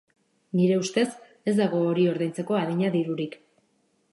Nire ustez, ez dago hori ordaintzeko adina dirurik.